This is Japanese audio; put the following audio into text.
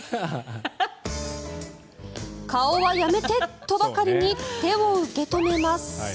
顔はやめて！とばかりに手を受け止めます。